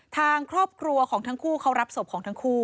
ทางครอบครัวของทั้งคู่เขารับศพของทั้งคู่